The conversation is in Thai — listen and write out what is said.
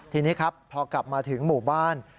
ทีนี้ครับพอกลับมาถึงหมู่บ้าน